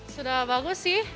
sudah bagus sih